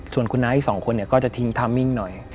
ส่วนคุณน้าอีกสองคนเนี่ยก็จะทิ้งทามมิ่งหน่อย